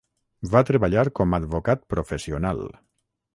Va treballar com advocat professional.